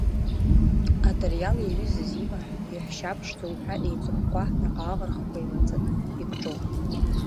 Атариал иаҩызаз имаҳә, иаҳәшьа ԥшӡа, уҳәа еиҵыхәхәа, наҟ-ааҟ рыхқәа еилаҵаны икҿоуп.